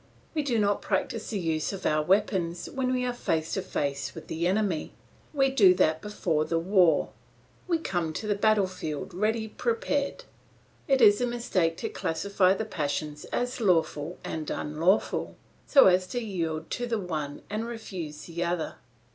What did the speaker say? We do not practise the use of our weapons when we are face to face with the enemy, we do that before the war; we come to the battle field ready prepared. "It is a mistake to classify the passions as lawful and unlawful, so as to yield to the one and refuse the other.